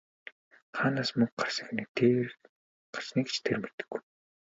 Хаанаас мөнгө гарсныг ч тэр мэдэхгүй!